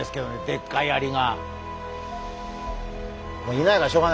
でっかいアリが。